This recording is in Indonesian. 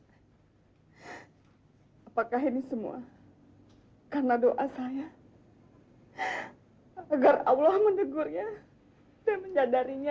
apakah ini semua karena doa saya agar allah menegurnya dan menjadarinya pak